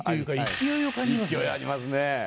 勢いありますね。